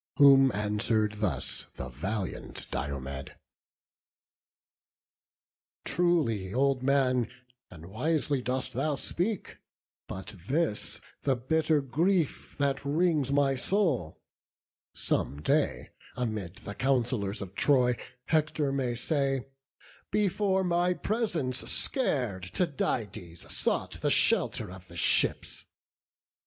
Whom answer'd thus the valiant Diomed: "Truly, old man, and wisely dost thou speak; But this the bitter grief that wrings my soul: Some day, amid the councillors of Troy Hector may say, 'Before my presence scar'd Tydides sought the shelter of the ships.